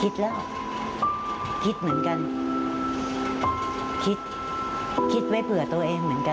สวัสดีค่ะสวัสดีค่ะ